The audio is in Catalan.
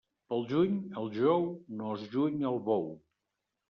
Pel juny, el jou no es juny al bou.